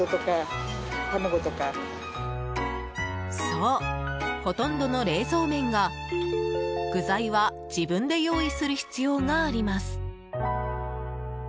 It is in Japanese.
そう、ほとんどの冷蔵麺が具材は自分で用意する必要があります。